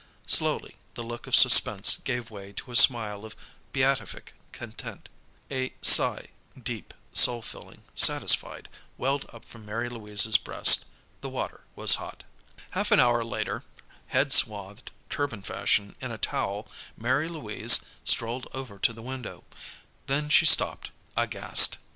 Slowly the look of suspense gave way to a smile of beatific content. A sigh deep, soul filling, satisfied welled up from Mary Louise's breast. The water was hot. Half an hour later, head swathed turban fashion in a towel, Mary Louise strolled over to the window. Then she stopped, aghast.